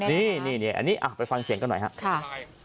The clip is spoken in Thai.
นี่นี่นี่อันนี้อ่ะไปฟังเสียงกันหน่อยฮะค่ะ